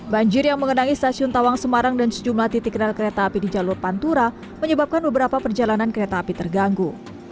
banjir yang mengenangi stasiun tawang semarang dan sejumlah titik rel kereta api di jalur pantura menyebabkan beberapa perjalanan kereta api terganggu